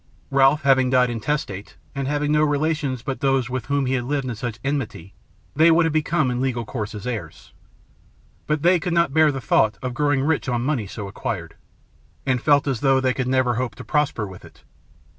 Ralph, having died intestate, and having no relations but those with whom he had lived in such enmity, they would have become in legal course his heirs. But they could not bear the thought of growing rich on money so acquired, and felt as though they could never hope to prosper with it.